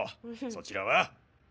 そちらは？